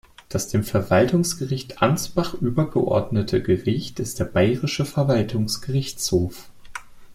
Das dem Verwaltungsgericht Ansbach übergeordnete Gericht ist der Bayerische Verwaltungsgerichtshof.